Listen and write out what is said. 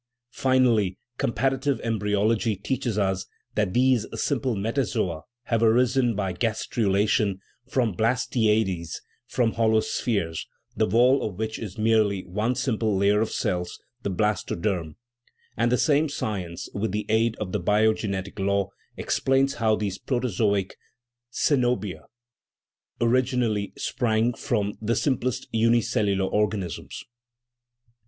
Fi nally, comparative embryology teaches us that these simple metazoa have arisen by gastrulation from blas taeades, from hollow spheres, the wall of which is merely one simple layer of cells, the blastoderm ; and the same science, with the aid of the biogenetic law, explains how these protozoic coenobia originally sprang from the sim plest unicellular organisms.